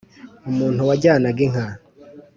muntu wajyanaga inka